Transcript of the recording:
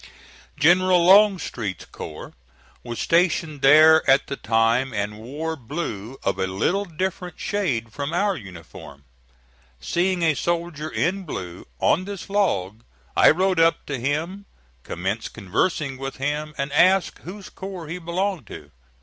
General Longstreet's corps was stationed there at the time, and wore blue of a little different shade from our uniform. Seeing a soldier in blue on this log, I rode up to him, commenced conversing with him, and asked whose corps he belonged to.